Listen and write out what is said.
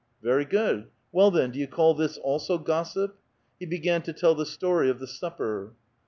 "Very good; well then, do you call this also gossip?" He began to tell the story of the supper.